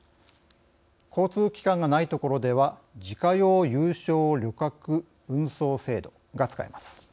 交通機関がないところでは「自家用有償旅客運送制度」が使えます。